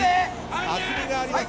厚みがあります。